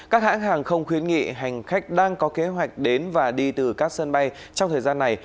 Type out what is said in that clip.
các hãng hàng không khuyến nghị hành khách đang có kế hoạch đến và đi từ các sân bay trong thời gian này